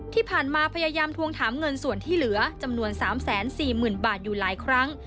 ที่ผ่านมาพยายามทวงถามเงินส่วนที่เหลือจำนวนสามแสนสี่หมื่นบาทอยู่หลายครั้ง